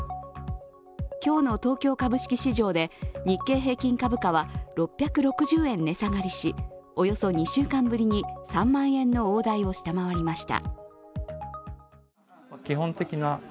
今日の東京株式市場で日経平均株価は６６０円値下がりし、およそ２週間ぶりに３万円の大台を下回りました。